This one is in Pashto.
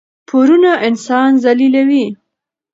پورونه انسان ذلیلوي.